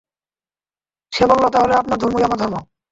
সে বলল, তাহলে আপনার ধর্মই আমার ধর্ম।